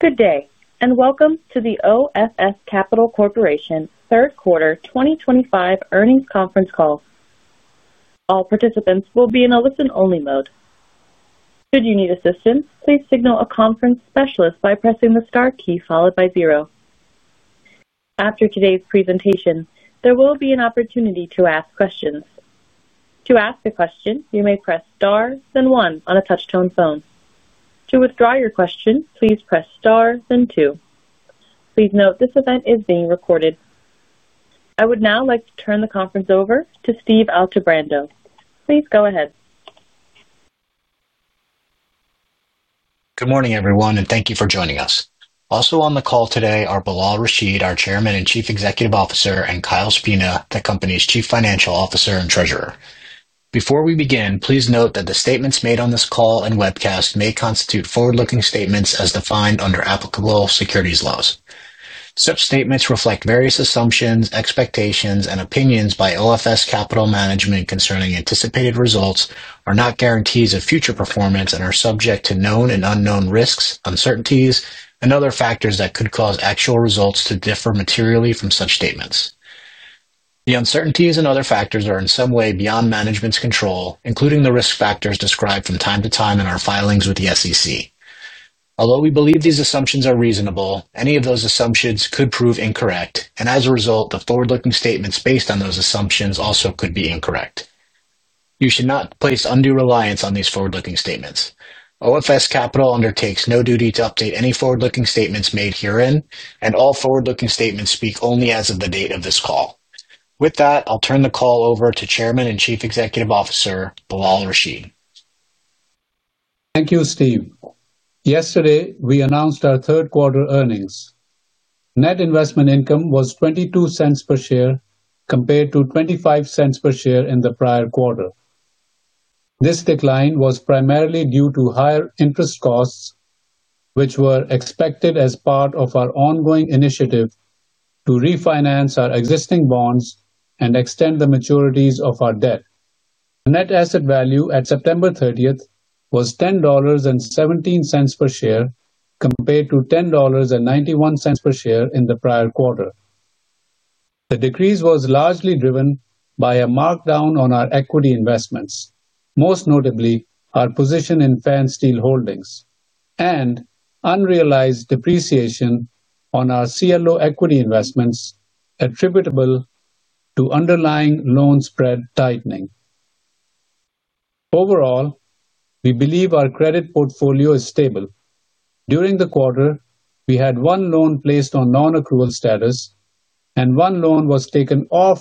Good day, and welcome to the OFS Capital Corporation Third Quarter 2025 Earnings Conference Call. All participants will be in a listen-only mode. Should you need assistance, please signal a conference specialist by pressing the star key followed by zero. After today's presentation, there will be an opportunity to ask questions. To ask a question, you may press star then one on a touch-tone phone. To withdraw your question, please press star then two. Please note this event is being recorded. I would now like to turn the conference over to Steve Altebrando. Please go ahead. Good morning, everyone, and thank you for joining us. Also on the call today are Bilal Rashid, our Chairman and Chief Executive Officer, and Kyle Spina, the company's Chief Financial Officer and Treasurer. Before we begin, please note that the statements made on this call and webcast may constitute forward-looking statements as defined under applicable securities laws. Such statements reflect various assumptions, expectations, and opinions by OFS Capital Management concerning anticipated results, are not guarantees of future performance, and are subject to known and unknown risks, uncertainties, and other factors that could cause actual results to differ materially from such statements. The uncertainties and other factors are in some way beyond management's control, including the risk factors described from time to time in our filings with the SEC. Although we believe these assumptions are reasonable, any of those assumptions could prove incorrect, and as a result, the forward-looking statements based on those assumptions also could be incorrect. You should not place undue reliance on these forward-looking statements. OFS Capital undertakes no duty to update any forward-looking statements made herein, and all forward-looking statements speak only as of the date of this call. With that, I'll turn the call over to Chairman and Chief Executive Officer Bilal Rashid. Thank you, Steve. Yesterday, we announced our third-quarter earnings. Net investment income was $0.22 per share compared to $0.25 per share in the prior quarter. This decline was primarily due to higher interest costs, which were expected as part of our ongoing initiative to refinance our existing bonds and extend the maturities of our debt. The net asset value at September 30th was $10.17 per share compared to $10.91 per share in the prior quarter. The decrease was largely driven by a markdown on our equity investments, most notably our position in Fansteel Holdings, and unrealized depreciation on our CLO equity investments attributable to underlying loan spread tightening. Overall, we believe our credit portfolio is stable. During the quarter, we had one loan placed on non-accrual status, and one loan was taken off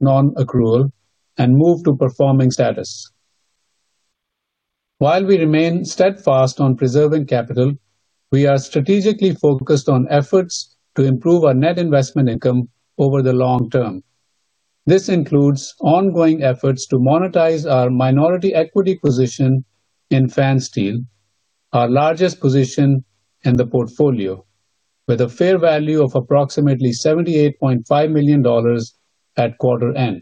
non-accrual and moved to performing status. While we remain steadfast on preserving capital, we are strategically focused on efforts to improve our net investment income over the long term. This includes ongoing efforts to monetize our minority equity position in Fansteel, our largest position in the portfolio, with a fair value of approximately $78.5 million at quarter end.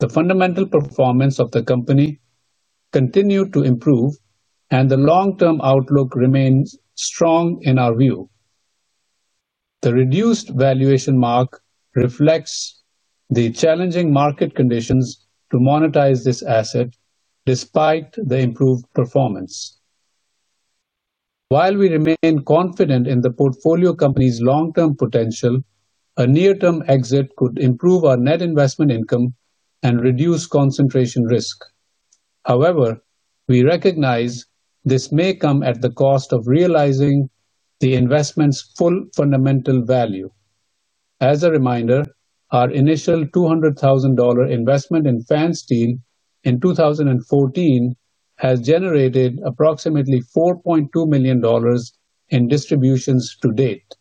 The fundamental performance of the company continued to improve, and the long-term outlook remains strong in our view. The reduced valuation mark reflects the challenging market conditions to monetize this asset despite the improved performance. While we remain confident in the portfolio company's long-term potential, a near-term exit could improve our net investment income and reduce concentration risk. However, we recognize this may come at the cost of realizing the investment's full fundamental value. As a reminder, our initial $200,000 investment in Fansteel in 2014 has generated approximately $4.2 million in distributions to date,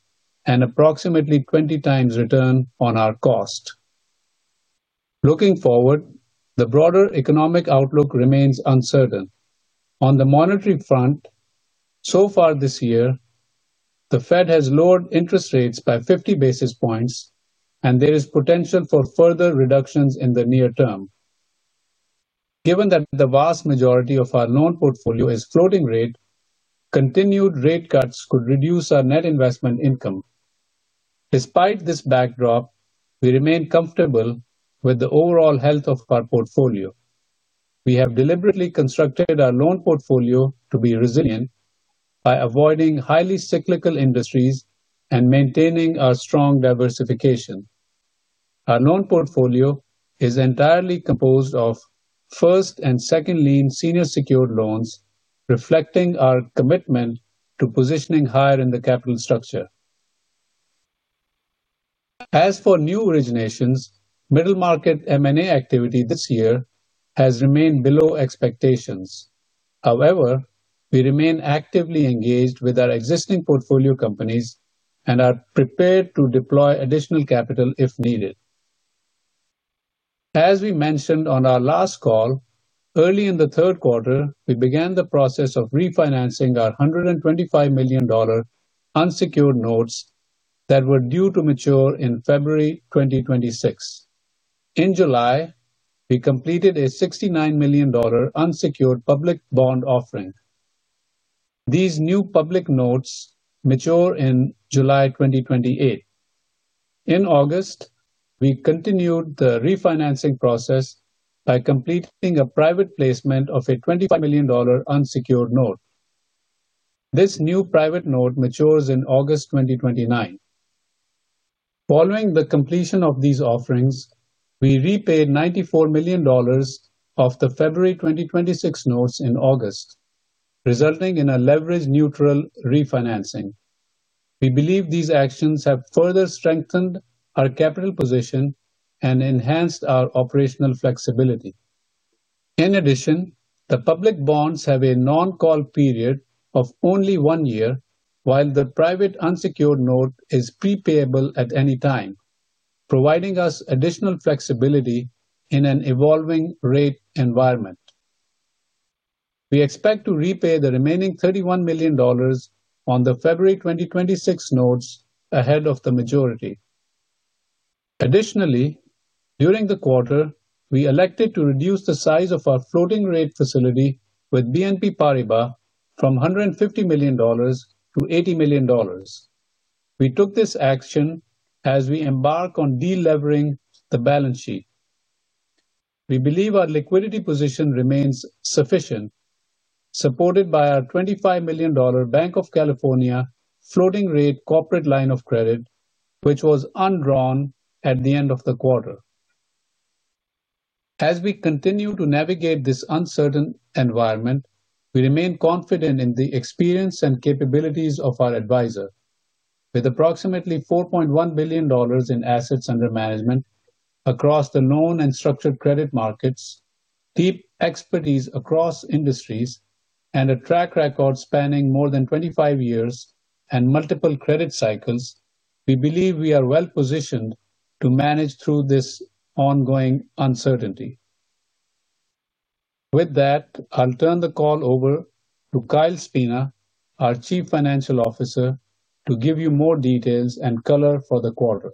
an approximately 20 times return on our cost. Looking forward, the broader economic outlook remains uncertain. On the monetary front, so far this year, the Fed has lowered interest rates by 50 basis points, and there is potential for further reductions in the near term. Given that the vast majority of our loan portfolio is floating rate, continued rate cuts could reduce our net investment income. Despite this backdrop, we remain comfortable with the overall health of our portfolio. We have deliberately constructed our loan portfolio to be resilient by avoiding highly cyclical industries and maintaining our strong diversification. Our loan portfolio is entirely composed of first and second lien senior secured loans, reflecting our commitment to positioning higher in the capital structure. As for new originations, middle market M&A activity this year has remained below expectations. However, we remain actively engaged with our existing portfolio companies and are prepared to deploy additional capital if needed. As we mentioned on our last call, early in the third quarter, we began the process of refinancing our $125 million unsecured notes that were due to mature in February 2026. In July, we completed a $69 million unsecured public bond offering. These new public notes mature in July 2028. In August, we continued the refinancing process by completing a private placement of a $25 million unsecured note. This new private note matures in August 2029. Following the completion of these offerings, we repaid $94 million of the February 2026 notes in August, resulting in a leverage-neutral refinancing. We believe these actions have further strengthened our capital position and enhanced our operational flexibility. In addition, the public bonds have a non-call period of only one year, while the private unsecured note is prepayable at any time, providing us additional flexibility in an evolving rate environment. We expect to repay the remaining $31 million on the February 2026 notes ahead of the majority. Additionally, during the quarter, we elected to reduce the size of our floating rate facility with BNP Paribas from $150 million to $80 million. We took this action as we embark on deleveraging the balance sheet. We believe our liquidity position remains sufficient, supported by our $25 million Bank of California floating rate corporate line of credit, which was undrawn at the end of the quarter. As we continue to navigate this uncertain environment, we remain confident in the experience and capabilities of our advisor. With approximately $4.1 billion in assets under management across the loan and structured credit markets, deep expertise across industries, and a track record spanning more than 25 years and multiple credit cycles, we believe we are well positioned to manage through this ongoing uncertainty. With that, I'll turn the call over to Kyle Spina, our Chief Financial Officer, to give you more details and color for the quarter.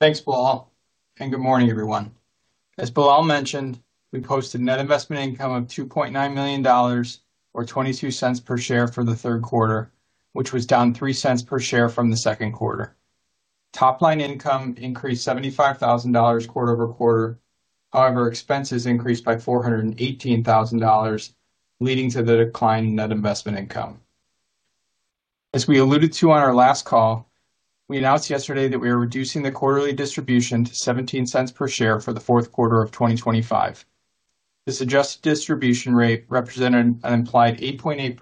Thanks, Bilal. Good morning, everyone. As Bilal mentioned, we posted net investment income of $2.9 million, or $0.22 per share for the third quarter, which was down $0.03 per share from the second quarter. Top-line income increased $75,000 quarter over quarter, however, expenses increased by $418,000, leading to the decline in net investment income. As we alluded to on our last call, we announced yesterday that we are reducing the quarterly distribution to $0.17 per share for the fourth quarter of 2025. This adjusted distribution rate represented an implied 8.8%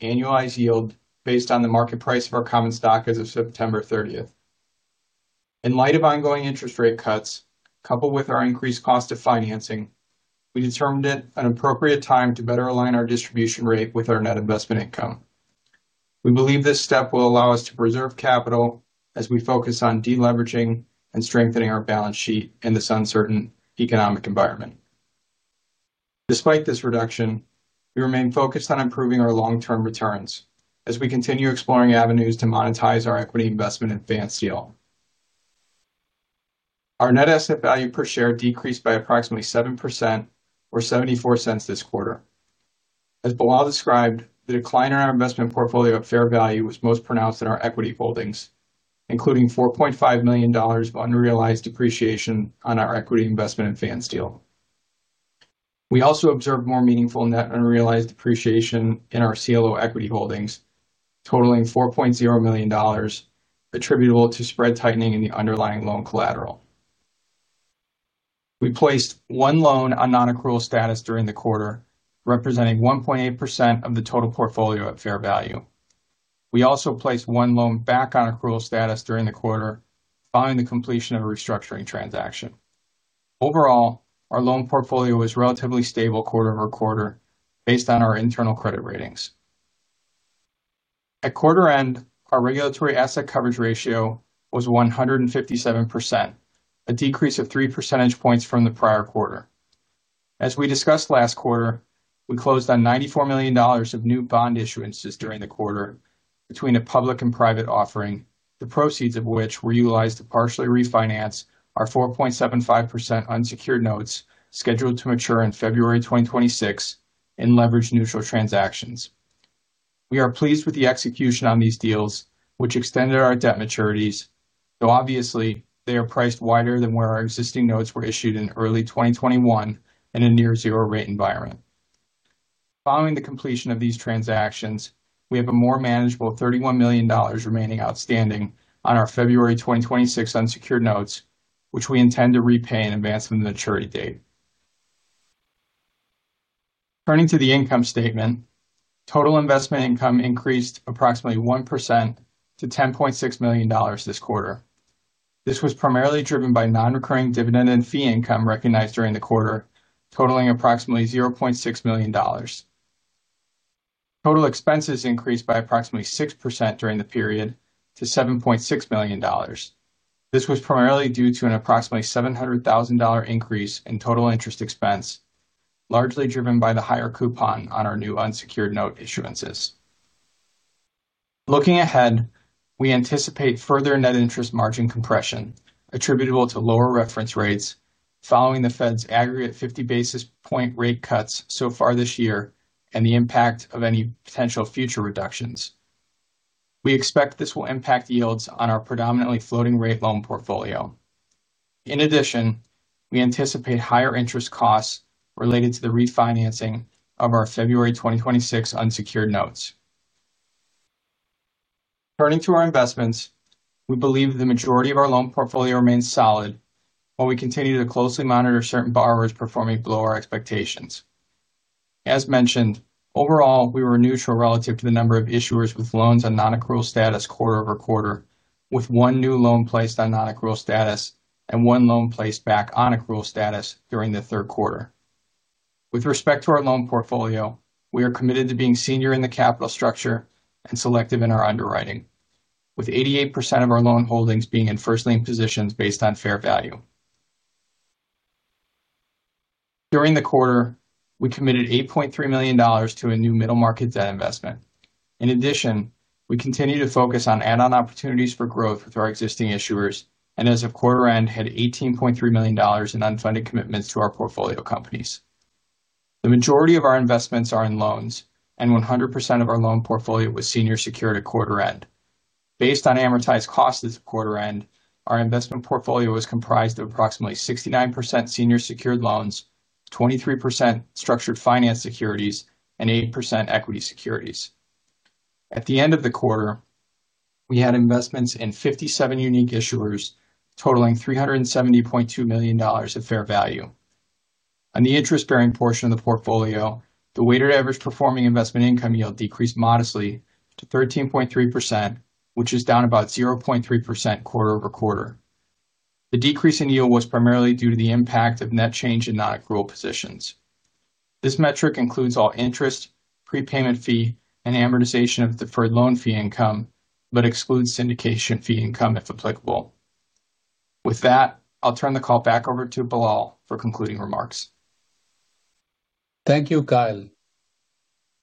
annualized yield based on the market price of our common stock as of September 30. In light of ongoing interest rate cuts, coupled with our increased cost of financing, we determined it an appropriate time to better align our distribution rate with our net investment income. We believe this step will allow us to preserve capital as we focus on deleveraging and strengthening our balance sheet in this uncertain economic environment. Despite this reduction, we remain focused on improving our long-term returns as we continue exploring avenues to monetize our equity investment in Fansteel. Our net asset value per share decreased by approximately 7% or $0.74 this quarter. As Bilal described, the decline in our investment portfolio at fair value was most pronounced in our equity holdings, including $4.5 million of unrealized depreciation on our equity investment in Fansteel. We also observed more meaningful net unrealized depreciation in our CLO equity investments, totaling $4.0 million, attributable to spread tightening in the underlying loan collateral. We placed one loan on non-accrual status during the quarter, representing 1.8% of the total portfolio at fair value. We also placed one loan back on accrual status during the quarter following the completion of a restructuring transaction. Overall, our loan portfolio was relatively stable quarter-over-quarter based on our internal credit ratings. At quarter end, our regulatory asset coverage ratio was 157%, a decrease of 3 percentage points from the prior quarter. As we discussed last quarter, we closed on $94 million of new bond issuances during the quarter between a public and private offering, the proceeds of which were utilized to partially refinance our 4.75% unsecured notes scheduled to mature in February 2026 in leverage-neutral transactions. We are pleased with the execution on these deals, which extended our debt maturities, though obviously they are priced wider than where our existing notes were issued in early 2021 in a near-zero rate environment. Following the completion of these transactions, we have a more manageable $31 million remaining outstanding on our February 2026 unsecured notes, which we intend to repay in advance of the maturity date. Turning to the income statement, total investment income increased approximately 1% to $10.6 million this quarter. This was primarily driven by non-recurring dividend and fee income recognized during the quarter, totaling approximately $0.6 million. Total expenses increased by approximately 6% during the period to $7.6 million. This was primarily due to an approximately $700,000 increase in total interest expense, largely driven by the higher coupon on our new unsecured note issuances. Looking ahead, we anticipate further net interest margin compression attributable to lower reference rates following the Fed's aggregate 50 basis point rate cuts so far this year and the impact of any potential future reductions. We expect this will impact yields on our predominantly floating rate loan portfolio. In addition, we anticipate higher interest costs related to the refinancing of our February 2026 unsecured notes. Turning to our investments, we believe the majority of our loan portfolio remains solid while we continue to closely monitor certain borrowers performing below our expectations. As mentioned, overall, we were neutral relative to the number of issuers with loans on non-accrual status quarter over quarter, with one new loan placed on non-accrual status and one loan placed back on accrual status during the third quarter. With respect to our loan portfolio, we are committed to being senior in the capital structure and selective in our underwriting, with 88% of our loan holdings being in first lien positions based on fair value. During the quarter, we committed $8.3 million to a new middle market debt investment. In addition, we continue to focus on add-on opportunities for growth with our existing issuers and, as of quarter end, had $18.3 million in unfunded commitments to our portfolio companies. The majority of our investments are in loans, and 100% of our loan portfolio was senior secured at quarter end. Based on amortized cost at quarter end, our investment portfolio was comprised of approximately 69% senior secured loans, 23% structured finance securities, and 8% equity securities. At the end of the quarter, we had investments in 57 unique issuers totaling $370.2 million of fair value. On the interest-bearing portion of the portfolio, the weighted average performing investment income yield decreased modestly to 13.3%, which is down about 0.3% quarter over quarter. The decrease in yield was primarily due to the impact of net change in non-accrual positions. This metric includes all interest, prepayment fee, and amortization of deferred loan fee income, but excludes syndication fee income if applicable. With that, I'll turn the call back over to Bilal for concluding remarks. Thank you, Kyle.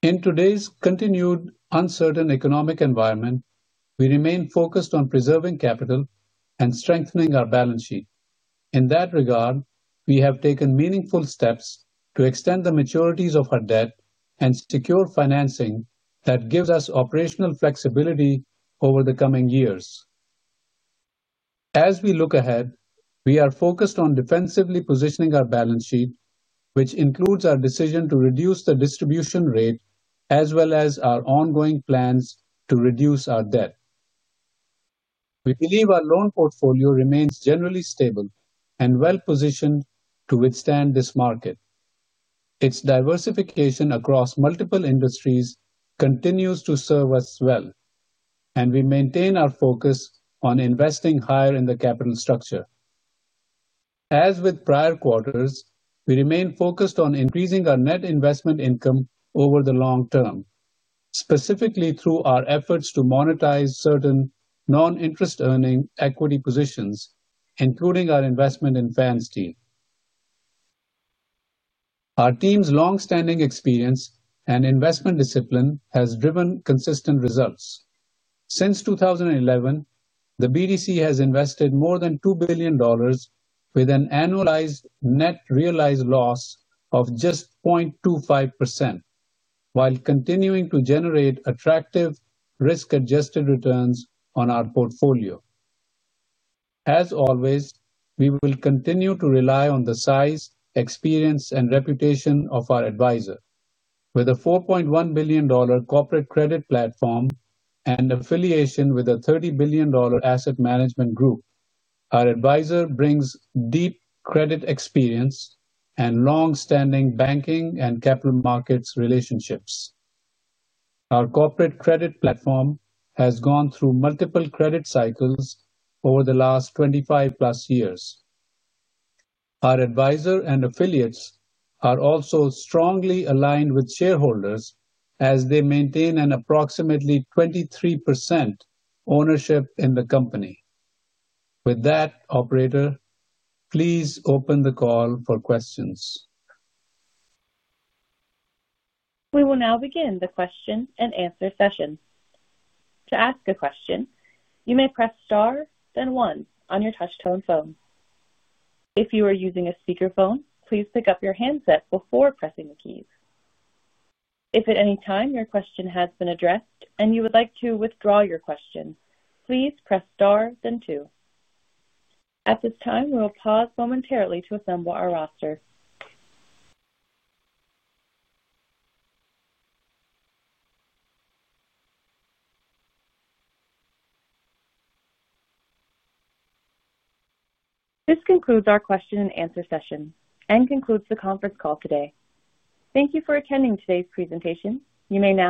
In today's continued uncertain economic environment, we remain focused on preserving capital and strengthening our balance sheet. In that regard, we have taken meaningful steps to extend the maturities of our debt and secure financing that gives us operational flexibility over the coming years. As we look ahead, we are focused on defensively positioning our balance sheet, which includes our decision to reduce the distribution rate as well as our ongoing plans to reduce our debt. We believe our loan portfolio remains generally stable and well positioned to withstand this market. Its diversification across multiple industries continues to serve us well, and we maintain our focus on investing higher in the capital structure. As with prior quarters, we remain focused on increasing our net investment income over the long term, specifically through our efforts to monetize certain non-interest earning equity positions, including our investment in Fansteel. Our team's long-standing experience and investment discipline has driven consistent results. Since 2011, the BDC has invested more than $2 billion, with an annualized net realized loss of just 0.25%, while continuing to generate attractive risk-adjusted returns on our portfolio. As always, we will continue to rely on the size, experience, and reputation of our advisor. With a $4.1 billion corporate credit platform and affiliation with a $30 billion asset management group, our advisor brings deep credit experience and long-standing banking and capital markets relationships. Our corporate credit platform has gone through multiple credit cycles over the last 25+ years. Our advisor and affiliates are also strongly aligned with shareholders as they maintain an approximately 23% ownership in the company. With that, Operator, please open the call for questions. We will now begin the question and answer session. To ask a question, you may press star, then one on your touch-tone phone. If you are using a speakerphone, please pick up your handset before pressing the keys. If at any time your question has been addressed and you would like to withdraw your question, please press star, then two. At this time, we will pause momentarily to assemble our roster. This concludes our question and answer session and concludes the conference call today. Thank you for attending today's presentation. You may now disconnect.